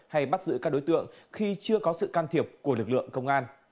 hay bắt giữ các đối tượng khi chưa có sự can thiệp của lực lượng công an